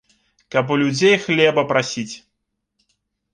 Каб у людзей хлеба прасіць.